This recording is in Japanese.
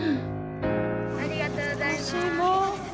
ありがとうございます。